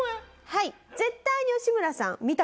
はい。